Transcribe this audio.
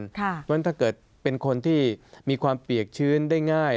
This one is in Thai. เพราะฉะนั้นถ้าเกิดเป็นคนที่มีความเปียกชื้นได้ง่าย